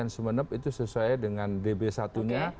sumeneb itu sesuai dengan db satu nya